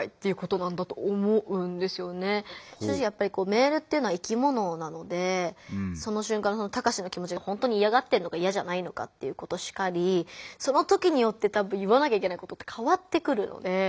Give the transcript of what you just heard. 正直やっぱりメールっていうのは生きものなのでその瞬間のタカシの気もちがほんとにいやがってるのかいやじゃないのかっていうことしかりその時によって多分言わなきゃいけないことって変わってくるので。